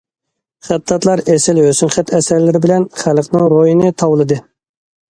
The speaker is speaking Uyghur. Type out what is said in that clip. خەتتاتلار ئېسىل ھۆسنخەت ئەسەرلىرى بىلەن خەلقنىڭ روھىنى تاۋلىدى.